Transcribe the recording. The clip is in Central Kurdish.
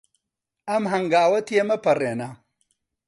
ئەم هەنگاوە تێمەپەڕێنە.